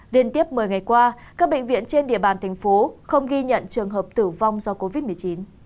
điên tiếp một mươi ngày qua các bệnh viện trên địa bàn tp hcm không ghi nhận trường hợp tử vong do covid một mươi chín